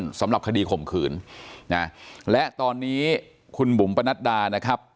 สำหรับคดีข่มขืนนะและตอนนี้คุณบุ๋มปนัดดานะครับ